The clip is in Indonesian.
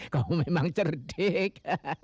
kamu memang cerdik